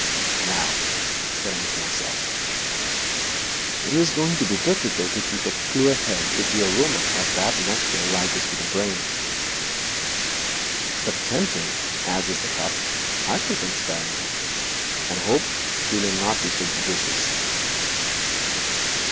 'Now,' said I to myself, 'it is going to be difficult to keep a clear head if the aroma of this nectar rises to the brain. But tempting as is the cup, I shall drink sparingly, and hope he may not be so judicious.'